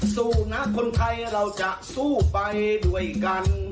สู้นะคนไทยเราจะสู้ไปด้วยกัน